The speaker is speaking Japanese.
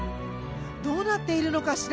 どうなっているのかしら？